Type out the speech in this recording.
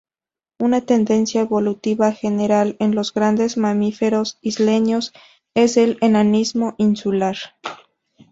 Una tendencia evolutiva general en los grandes mamíferos isleños es el enanismo insular.